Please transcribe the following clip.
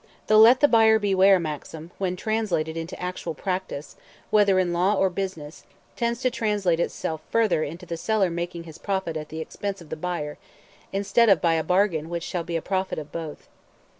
The "let the buyer beware" maxim, when translated into actual practice, whether in law or business, tends to translate itself further into the seller making his profit at the expense of the buyer, instead of by a bargain which shall be to the profit of both.